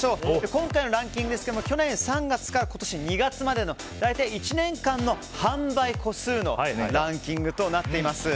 今回のランキングですが去年３月から今年２月までの大体１年間の販売個数のランキングとなっています。